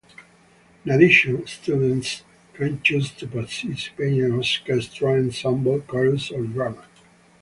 In addition, students can choose to participate in orchestra, ensemble, chorus, or drama.